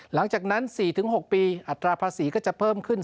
หลังจากนั้น๔๖ปีอัตราภาษีก็จะเพิ่มขึ้น